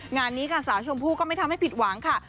งานนี้ค่ะสาวชมพู่ก็ไม่ทำให้ผิดหวังค่ะ